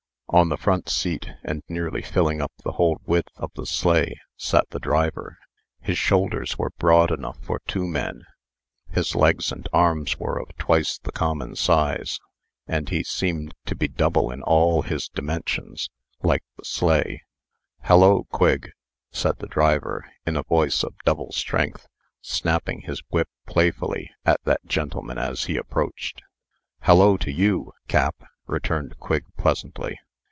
On the front seat, and nearly filling up the whole width of the sleigh, sat the driver. His shoulders were broad enough for two men; his legs and arms were of twice the common size, and he had two well defined chins. He seemed to be double in all his dimensions, like the sleigh. "Hallo, Quigg!" said the driver, in a voice of double strength, snapping his whip playfully at that gentleman as he approached. "Hallo to you, Cap," returned Quigg, pleasantly.